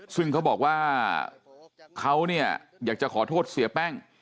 ซึ่งเขาบอกว่าเขาเนี่ยอยากจะขอโทษเสียแป้ง